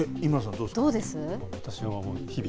どうです？